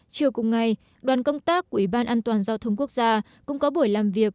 chiều cùng ngày đoàn công tác của ủy ban an toàn giao thông quốc gia cũng có buổi làm việc